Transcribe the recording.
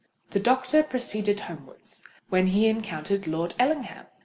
The doctor was proceeding homewards, when he encountered Lord Ellingham.